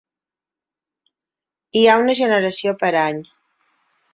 Hi ha una generació per any.